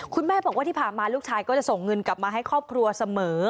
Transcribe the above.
คุณแม่บอกว่าที่ผ่านมาลูกชายก็จะส่งเงินกลับมาให้ครอบครัวเสมอ